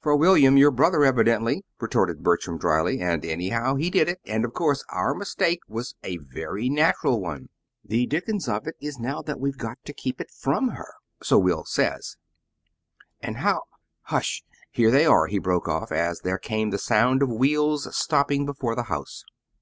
"For William, your brother, evidently," retorted Bertram, dryly. "Anyhow, he did it, and of course our mistake was a very natural one. The dickens of it is now that we've got to keep it from her, so Will says; and how hush! here they are," he broke off, as there came the sound of wheels stopping before the house.